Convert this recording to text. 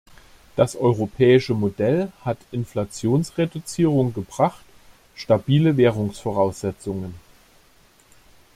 Das europäische Modell hat Inflationsreduzierung gebracht, stabile Währungsvoraussetzungen.